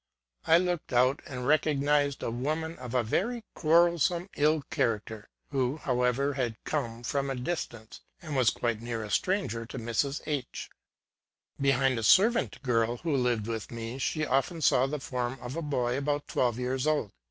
I looked out, and recognized a woman of a very quarrelsome, ill character, who, however, had come from a dis tance, and was quite a stranger to Mrs. H . Behind a servant girl, who lived with me, she often saw the form of a boy about twelve years old.